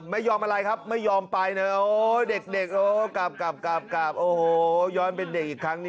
ไม่ยอมอะไรครับไม่ยอมไปเลยโอ้แหละเด็กโอ้ยย้อนเป็นเด็กอีกครั้ง